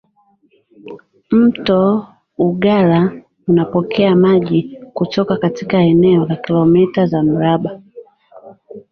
Mto Ugala unapokea maji kutoka katika eneo la kilometa za mraba